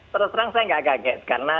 terus terang saya nggak kaget karena